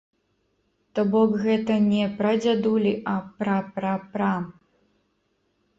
То бок гэта не прадзядулі, а пра-пра-пра.